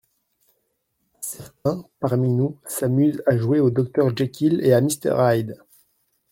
Certains, parmi nous, s’amusent à jouer au Dr Jekyll et à Mr Hyde.